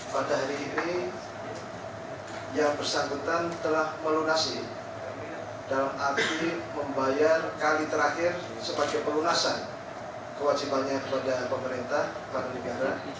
pada hari ini yang bersangkutan telah melunasi dalam arti membayar kali terakhir sebagai pelunasan kewajibannya keledahan pemerintah kepada negara